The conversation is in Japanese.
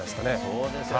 そうですよね。